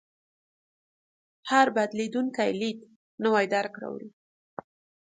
هر بدلېدونکی لید نوی درک راوړي.